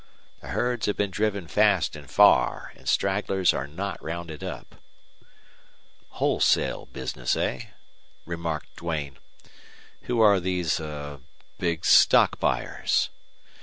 The herds have been driven fast and far, and stragglers are not rounded up." "Wholesale business, eh?" remarked Duane. "Who are these er big stock buyers?"